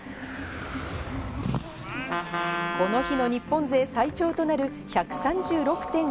この日の日本勢最長となる１３６．５ｍ。